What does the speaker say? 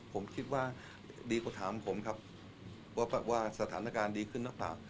ผมคิดว่าดีกว่าถามผมครับว่าสถานการณ์ดีขึ้นหรือเปล่า